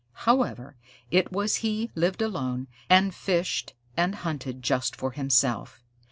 However it was he lived alone, and fished and hunted just for himself.